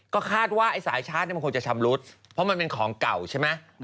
ก็คาดว่าไอ้สายชาร์จมันคงจะชำรุดเพราะมันเป็นของเก่าใช่ไหม